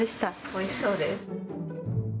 おいしそうです。